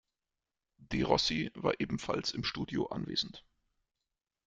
De Rossi war ebenfalls im Studio anwesend.